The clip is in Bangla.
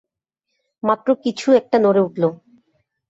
মাত্র কিছু একটা নড়ে উঠলো!